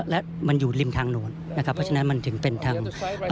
และมันอยู่ริมทางโน้นนะครับเพราะฉะนั้นมันถึงเป็นทาง